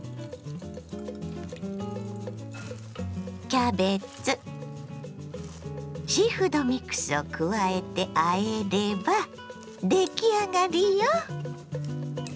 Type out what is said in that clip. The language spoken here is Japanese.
キャベツシーフードミックスを加えてあえれば出来上がりよ。